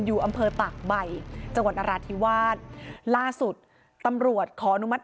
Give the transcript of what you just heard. อยู่อำเภอตากใบจังหวันอราธิวาสล่าสุดตำรวจขอ